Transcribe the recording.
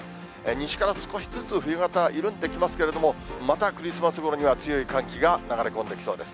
西から少しずつ冬型、緩んできますけれども、またクリスマスごろには強い寒気が流れ込んできそうです。